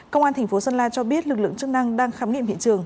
công an tp sơn la cho biết lực lượng chức năng đang khám nghiệm hiện trường